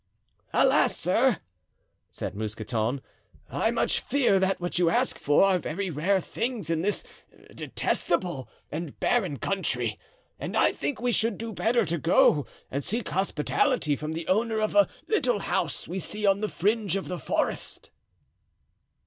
"Alas! sir," said Mousqueton, "I much fear that what you ask for are very rare things in this detestable and barren country, and I think we should do better to go and seek hospitality from the owner of a little house we see on the fringe of the forest."